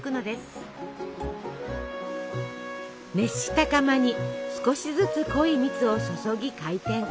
熱した釜に少しずつ濃い蜜を注ぎ回転。